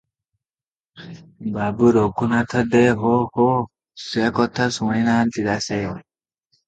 ବାବୁ ରଘୁନାଥ ଦେ- ହୋ-ହୋ! ସେ କଥା ଶୁଣି ନାହାନ୍ତି ଦାସେ?